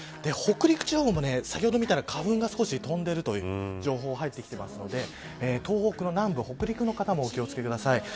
北陸地方も先ほど見たら花粉が少し飛んでいるという情報が入ってきているので東北の南部、北陸の方もお気を付けください。